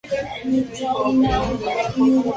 Sawyer no confió en Locke, pero le siguió.